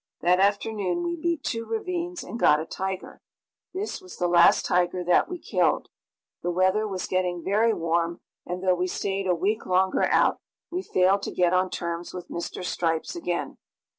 That afternoon we beat two ravines and got a tiger. This was the last tiger that we killed. The weather was getting very warm, and, though we stayed a week longer out, we failed to get on terms with Mr. Stripes again.